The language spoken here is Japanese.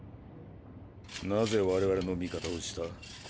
なぜ我々の味方をした？